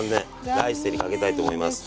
来世にかけたいと思います。